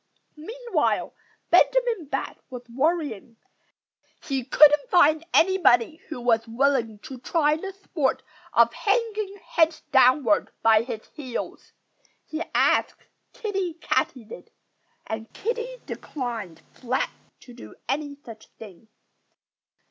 Meanwhile Benjamin Bat was worrying. He couldn't find anybody who was willing to try the sport of hanging head downward by his heels. He asked Kiddie Katydid; and Kiddie declined flatly to do any such thing.